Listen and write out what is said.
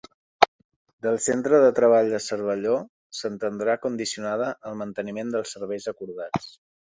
Del centre de treball de Cervelló, s'entendrà condicionada al manteniment dels serveis acordats.